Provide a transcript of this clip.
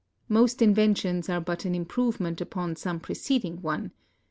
Most inventions are but an improvement upon some pre ceding one.